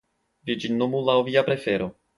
Vi ĝin nomu laŭ via prefero.